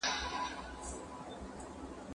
¬ اوړه يو مټ نه لري، تنورونه ئې شل دي.